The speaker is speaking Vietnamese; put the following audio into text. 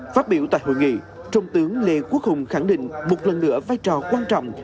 phát biểu tại hội nghị trung tướng lê quốc hùng khẳng định một lần nữa vai trò quan trọng